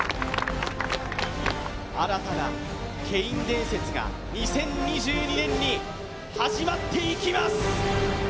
新たなケイン伝説が２０２２年に始まっていきます。